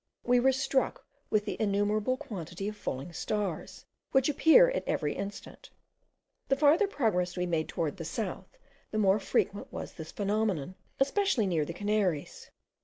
We were struck with the innumerable quantity of falling stars, which appeared at every instant. The farther progress we made towards the south, the more frequent was this phenomenon, especially near the Canaries.